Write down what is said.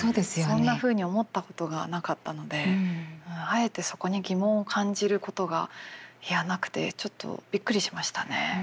そんなふうに思ったことがなかったのであえてそこに疑問を感じることがいやなくてちょっとびっくりしましたね。